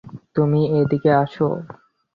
তুমি, এদিকে আসো।